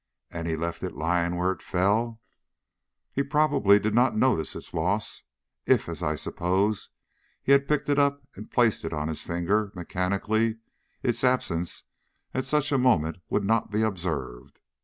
"And he left it lying where it fell?" "He probably did not notice its loss. If, as I suppose, he had picked it up and placed it on his finger, mechanically, its absence at such a moment would not be observed.